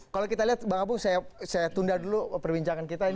kalau kita lihat bang abu saya tunda dulu perbincangan kita